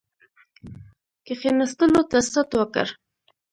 کښېنستلو ته ست وکړ.